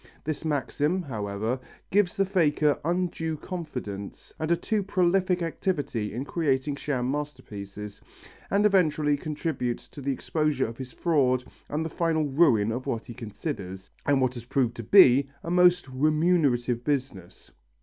This maxim, however, gives the faker undue confidence and a too prolific activity in creating sham masterpieces, and eventually contributes to the exposure of his fraud and the final ruin of what he considers, and what has proved to be, a most remunerative business.